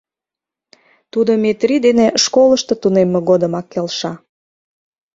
Тудо Метрий дене школышто тунемме годымак келша.